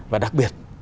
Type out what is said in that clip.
và đặc biệt